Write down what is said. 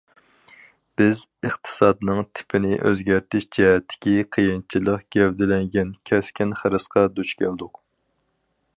بىز ئىقتىسادنىڭ تىپىنى ئۆزگەرتىش جەھەتتىكى قىيىنچىلىق گەۋدىلەنگەن كەسكىن خىرىسقا دۇچ كەلدۇق.